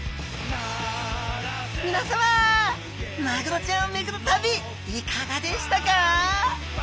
皆さまマグロちゃんを巡る旅いかがでしたか？